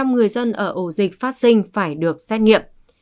một trăm linh người dân ở ổ dịch phát sinh phải được xét nghiệm